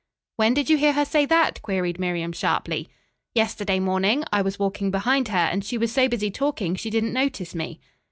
"When did you hear her say that?" queried Miriam sharply. "Yesterday morning. I was walking behind her, and she was so busy talking she didn't notice me."